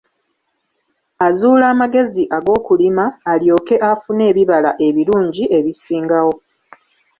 Azuula amagezi ag'okulima, alyoke afune ebibala ebirungi ebisingawo.